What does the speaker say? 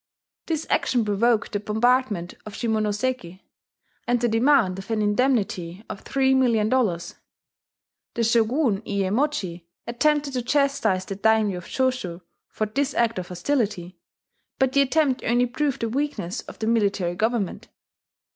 This action provoked the bombardment of Shimonoseki, and the demand of an indemnity of three million dollars. The Shogun Iyemochi attempted to chastise the daimyo of Choshu for this act of hostility; but the attempt only proved the weakness of the military government.